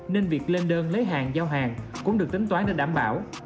nên việc lên đơn lấy hàng giao hàng cũng được tính toán để đảm bảo